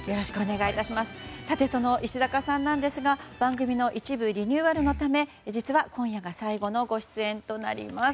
その石坂さんなんですが番組の一部リニューアルのため実は今夜が最後のご出演となります。